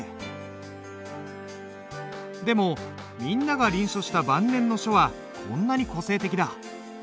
でもみんなが臨書した晩年の書はこんなに個性的だ。